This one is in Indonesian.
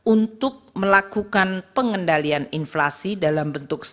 untuk melakukan pengendalian inflasi dalam bentuk